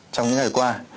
trong những ngày qua